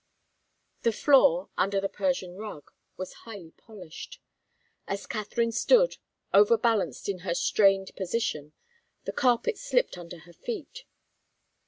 The floor, under the Persian rug, was highly polished. As Katharine stood, overbalanced in her strained position, the carpet slipped under her feet.